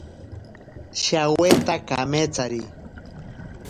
Shaweta kametsari.